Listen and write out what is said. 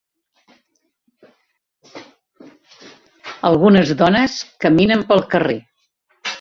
Algunes dones caminen pel carrer.